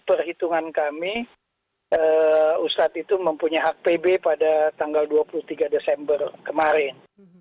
perhitungan kami ustadz itu mempunyai hak pb pada tanggal dua puluh tiga desember kemarin